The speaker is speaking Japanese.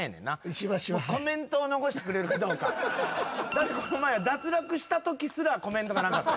だってこの前は脱落したときすらコメントがなかった。